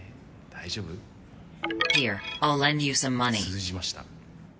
通じました。